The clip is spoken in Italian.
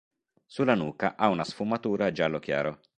Sulla nuca ha una sfumatura giallo chiaro.